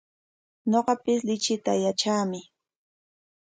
Ñuqapis lichitaqa yatraami.